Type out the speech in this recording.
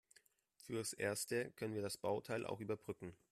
Fürs Erste können wir das Bauteil auch überbrücken.